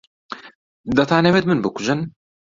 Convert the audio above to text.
دەتانەوێت من بکوژن؟